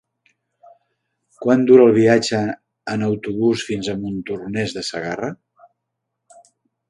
Quant dura el viatge en autobús fins a Montornès de Segarra?